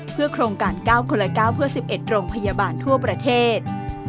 เพื่อโครงการ๙คนละ๙เพื่อ๑๑โรงพยาบาลทั่วประเทศ